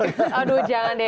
aduh jangan deh